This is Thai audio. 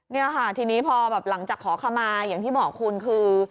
นี่ค่ะทีนี้พอแบบหลังจากขอขมาอย่างที่บอกคุณคือ